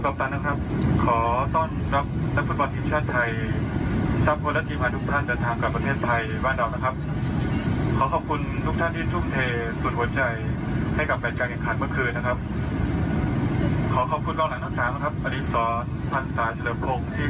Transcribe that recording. บอกได้ละครับผมคนหนึ่งครับที่อยู่บนอาจารย์จันทร์มาครองเชียร์ครองไทยเราเมื่อคืน